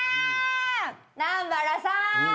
南原さん。